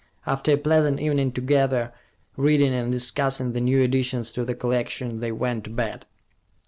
After a pleasant evening together, reading, and discussing the new additions to the collection, they went to bed.